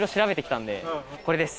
これです。